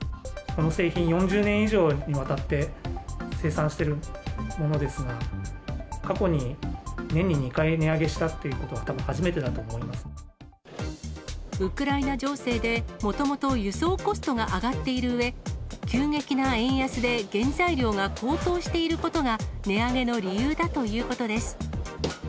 この製品、４０年以上にわたって、生産しているものですが、過去に年に２回値上げしたっていうことは、たぶん、初めてだと思ウクライナ情勢で、もともと輸送コストが上がっているうえ、急激な円安で原材料が高騰していることが、値上げの理由だということです。